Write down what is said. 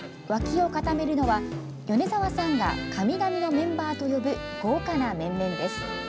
脇を固めるのは米澤さんが神々のメンバーと呼ぶ豪華な面々です。